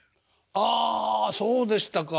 ああそうでしたか。